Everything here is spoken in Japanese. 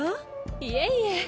いえいえ。